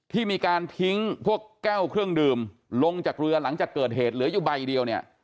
ที่มีการทิ้งพวกแก้วเครื่องดื่มลงจากเรือหลังจากเกิดเหตุเหลืออยู่ใบเดียวเนี่ย